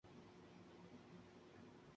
Entrenador: Antonio Ricci